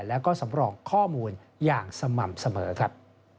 แล้วก็สำรองข้อมูลอย่างสม่ำเสมอครับ